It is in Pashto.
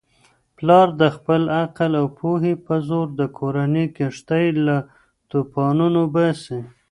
پلارد خپل عقل او پوهې په زور د کورنی کښتۍ له توپانونو باسي.